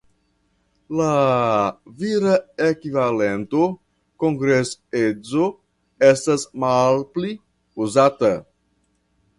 La vira ekvivalento kongresedzo estas malpli uzata.